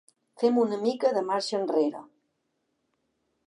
Fem una mica de marxa enrere.